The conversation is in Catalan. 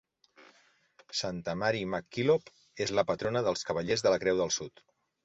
Santa Mary MacKillop és la patrona dels Cavallers de la Creu del Sud.